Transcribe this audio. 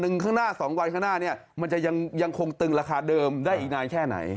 ข้างหน้า๒วันข้างหน้าเนี่ยมันจะยังคงตึงราคาเดิมได้อีกนานแค่ไหน